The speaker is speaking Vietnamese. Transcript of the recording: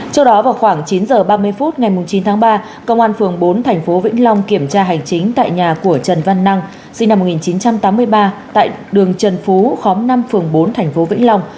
trước đó vào khoảng chín h ba mươi phút ngày chín tháng ba công an phường bốn thành phố vĩnh long kiểm tra hành chính tại nhà của trần văn năng sinh năm một nghìn chín trăm tám mươi ba tại đường trần phú khóm năm phường bốn thành phố vĩnh long